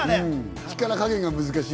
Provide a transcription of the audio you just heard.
力加減が難しい。